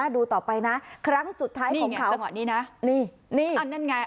ดูต่อไปนะครั้งสุดท้ายของเขาจังหวะนี้นะนี่นี่อันนั้นไง